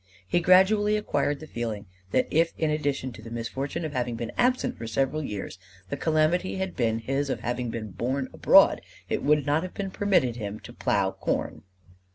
He gradually acquired the feeling that if in addition to the misfortune of having been absent for several years, the calamity had been his of having been born abroad, it would not have been permitted him to plough corn.